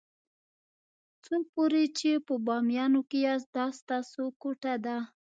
څو پورې چې په بامیانو کې یاست دا ستاسو کوټه ده.